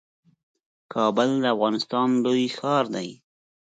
کابل د افغانستان لوی ښار دئ